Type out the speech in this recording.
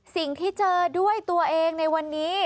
สิ่งที่เจอด้วยตัวเองในวันนี้